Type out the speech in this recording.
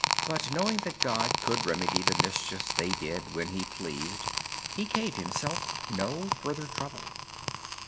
But knowing that God could remedy the mischief they did when He pleased, he gave himself no further trouble.